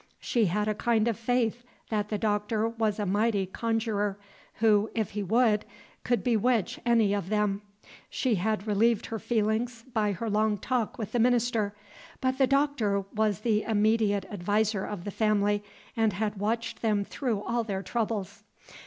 She had a kind of faith that the Doctor was a mighty conjurer, who, if he would, could bewitch any of them. She had relieved her feelings by her long talk with the minister, but the Doctor was the immediate adviser of the family, and had watched them through all their troubles.